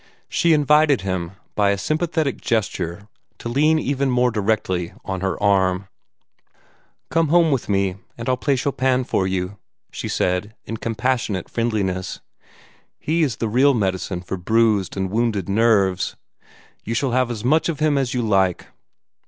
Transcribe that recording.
She invited him by a sympathetic gesture to lean even more directly on her arm. "Come home with me, and I'll play Chopin to you," she said, in compassionate friendliness. "He is the real medicine for bruised and wounded nerves. You shall have as much of him as you like."